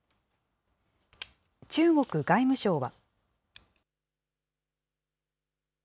中国外務省は。